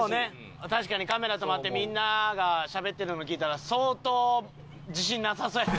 確かにカメラ止まってみんながしゃべってるの聞いたら相当自信なさそうやった。